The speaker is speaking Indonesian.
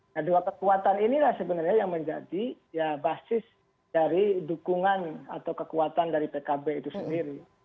nah dua kekuatan inilah sebenarnya yang menjadi ya basis dari dukungan atau kekuatan dari pkb itu sendiri